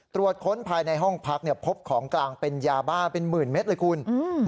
ตรวจค้นภายในห้องพักเนี่ยพบของกลางเป็นยาบ้าเป็นหมื่นเม็ดเลยคุณ